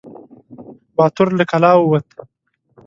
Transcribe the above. باتور له کلا ووت.